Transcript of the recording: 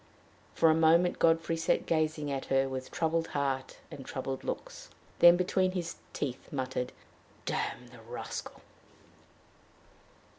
For a moment Godfrey sat gazing at her, with troubled heart and troubled looks, then between his teeth muttered, "Damn the rascal!"